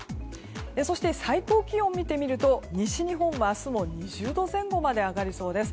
そして最高気温を見てみると西日本は明日も２０度前後まで上がりそうです。